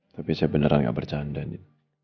tapi saya beneran gak bercanda ini